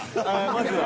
まずは。